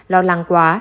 lo lắng quá